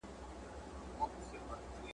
په اوبو کي د ورېښته منظرکشي ده